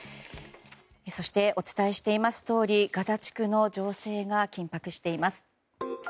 そして、お伝えしていますとおりガザ地区の情勢が緊迫しています。